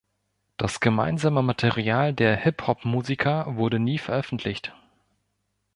Das gemeinsame Material der Hip-Hop-Musiker wurde nie veröffentlicht.